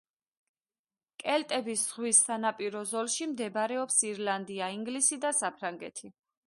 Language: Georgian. კელტების ზღვის სანაპირო ზოლში მდებარეობს ირლანდია, ინგლისი და საფრანგეთი.